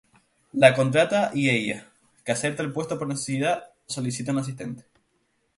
La contrata y ella, que acepta el puesto por necesidad, solicita una asistente.